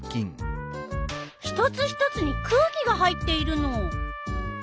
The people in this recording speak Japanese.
一つ一つに空気が入っているの。